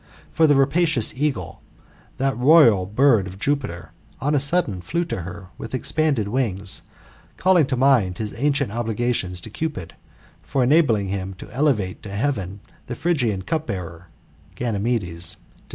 For the rapacious eagle, that royal bird of Jupiter, on a sudden flew to her with expanded .wings, calling to mind his ancient obligations to Cupid, for enabling him to elevate to heaven the Phrygian cup bearer [Ganymedes] to GOLDEN ASS, OF APULEIUS. — BOOK VI.